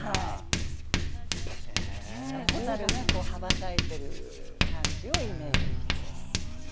蛍が羽ばたいている感じをイメージしました。